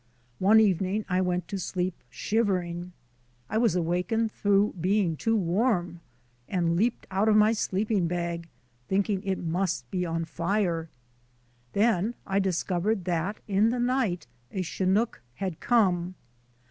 One evening I went to sleep shivering. I was awakened through being WINTER MOUNTAINEERING 51 too warm, and leaped out of my sleeping bag think ing it must be on fire. Then I discovered that in the night a chinook had come.